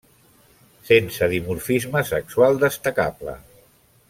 Sense dimorfisme sexual destacable.